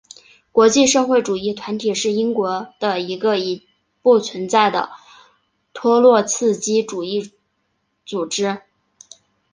国际社会主义团体是英国的一个已不存在的托洛茨基主义组织。